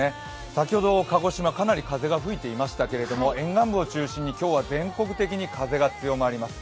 先ほど鹿児島はかなり風が吹いていましたけれども、沿岸部を中心に今日は全国的に風が強まります。